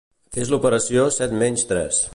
Fes l'operació set menys tres.